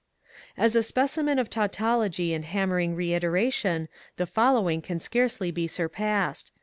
As a specimen of tautology and hammering reiteration the following can scarcely be surpassed.